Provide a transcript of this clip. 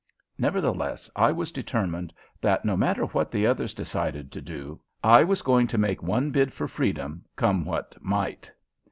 Nevertheless, I was determined that, no matter what the others decided to do, I was going to make one bid for freedom, come what might.